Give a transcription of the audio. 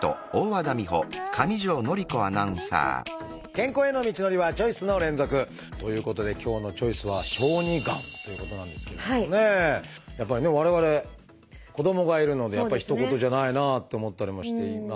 健康への道のりはチョイスの連続！ということで今日の「チョイス」はやっぱりね我々子どもがいるのでやっぱりひと事じゃないなって思ったりもしていますが。